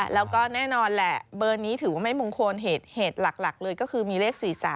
แล้วก็แน่นอนแหละเบอร์นี้ถือว่าไม่มงคลเหตุหลักเลยก็คือมีเลข๔๓